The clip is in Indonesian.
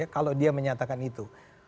kalau dia menyatakan itu